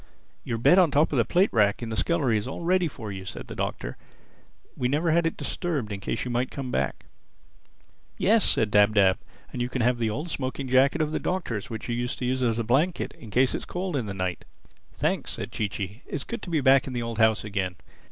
"Your bed on top of the plate rack in the scullery is all ready for you," said the Doctor. "We never had it disturbed in case you might come back." "Yes," said Dab Dab, "and you can have the old smoking jacket of the Doctor's which you used to use as a blanket, in case it is cold in the night." "Thanks," said Chee Chee. "It's good to be back in the old house again.